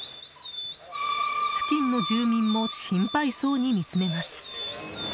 付近の住民も心配そうに見つめます。